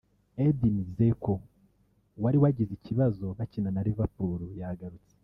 Edin Dzeko wari wagize ikibazo bakina na Liverpool yagarutse